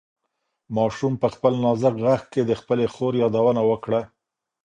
ماشوم په خپل نازک غږ کې د خپلې خور یادونه وکړه.